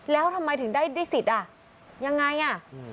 แล้วทำไมถึงได้สิทธิ์อ่ะยังไงอ่ะ